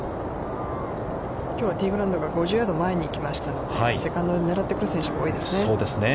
きょうはティーグラウンドが５０ヤード前に来ましたので、セカンドを狙ってくる選手が多いですね。